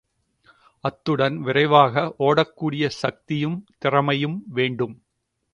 அத்துடன் விரைவாக ஒடக்கூடிய சக்தியும், திறமையும் வேண்டும்.